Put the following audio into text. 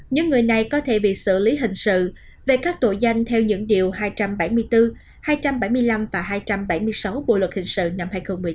những người này có thể bị xử lý hình sự về các tội danh theo những điều hai trăm bảy mươi bốn hai trăm bảy mươi năm và hai trăm bảy mươi sáu bộ luật hình sự năm hai nghìn một mươi năm